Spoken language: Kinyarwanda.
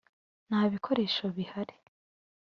nta bikoresho bihari.